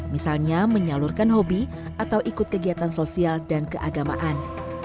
misalnya menyalurkan hobi atau ikut kegiatan sosial dan keagamaan